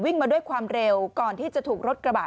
มาด้วยความเร็วก่อนที่จะถูกรถกระบะ